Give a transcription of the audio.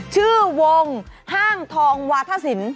ชื่อวงห้างทองวาทสิน